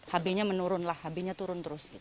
habinya menurun habinya turun terus